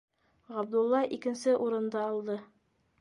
Ғабдулла икенсе урынды алды.